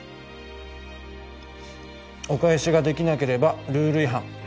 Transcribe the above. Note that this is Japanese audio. お返しができなければルール違反。